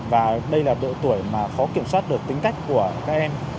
và đây là độ tuổi mà khó kiểm soát được tính cách của các em